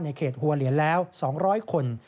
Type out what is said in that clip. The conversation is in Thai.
เขตหัวเหรียญแล้ว๒๐๐คน